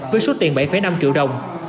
với số tiền bảy năm triệu đồng